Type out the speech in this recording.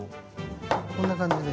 こんな感じで。